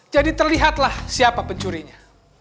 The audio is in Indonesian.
jadi terlihatlah siapa pencurinya